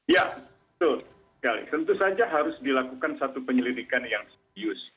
ya tentu saja harus dilakukan satu penyelidikan yang serius